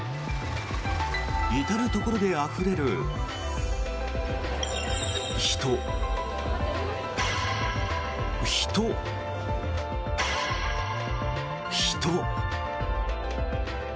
至るところであふれる人、人、人。